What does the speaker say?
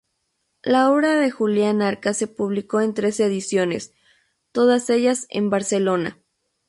La obra de Julián Arcas se publicó en tres ediciones, todas ellas en Barcelona.